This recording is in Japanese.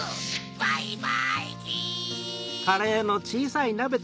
バイバイキン！